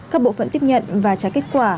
các bộ phận tiếp nhận và trả kết quả